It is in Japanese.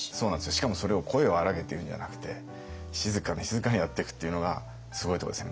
しかもそれを声を荒げて言うんじゃなくて静かに静かにやっていくっていうのがすごいところですよね。